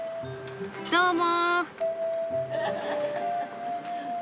どうも。